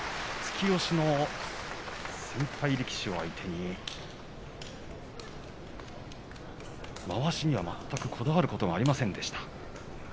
突き押しの先輩の相手まわしには全くこだわることがありませんでした。